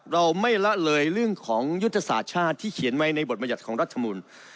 เราไม่ละเลยเรื่องของยุทธศาสตร์ชาติที่เขียนไว้ในบทบรรยัติของรัฐมนุน